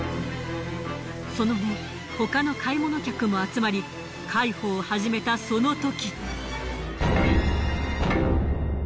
その後他の買い物客も集まり介抱を始めたそのとき。